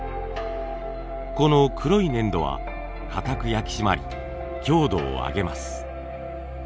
この黒い粘土は固く焼き締まり強度を上げます。